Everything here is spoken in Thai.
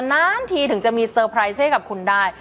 นานทีถึงจะมีเซอร์ไพรสเซกับคุณได้